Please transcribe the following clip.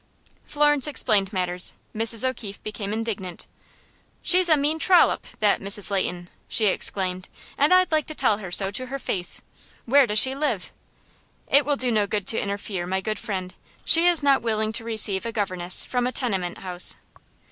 Florence explained matters. Mrs. O'Keefe became indignant. "She's a mean trollop, that Mrs. Leighton!" she exclaimed, "and I'd like to tell her so to her face. Where does she live?" "It will do no good to interfere, my good friend. She is not willing to receive a governess from a tenement house."